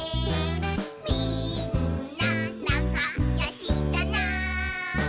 「みんななかよしだな」